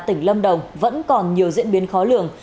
tỉnh lâm đồng vẫn còn nhiều diễn biến khó lường